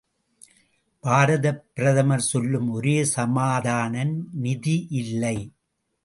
பாரதப் பிரதமர் சொல்லும் ஒரே சமாதானம் நிதி இல்லை!